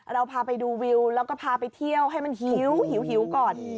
เราพาไปดูวิวแล้วก็พาไปเที่ยวให้มันหิวหิวก่อน